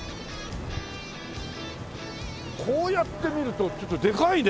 こうやって見るとちょっとでかいね。